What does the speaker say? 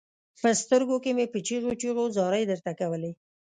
په سترګو کې مې په چيغو چيغو زارۍ درته کولې.